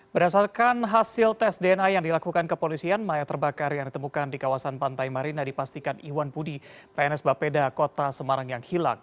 berdasarkan hasil tes dna yang dilakukan kepolisian mayat terbakar yang ditemukan di kawasan pantai marina dipastikan iwan budi pns bapeda kota semarang yang hilang